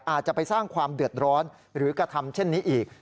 อาจจะไปสร้างความเดือดร้อนหรือกระทำเช่นนี้อีก